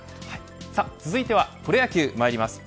続いてはプロ野球、まいります。